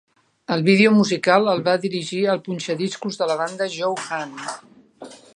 El vídeo musical el va dirigir el punxadiscos de la banda, Joe Hahn.